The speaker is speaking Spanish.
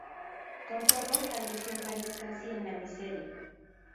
Con todo, falleció en París casi en la miseria.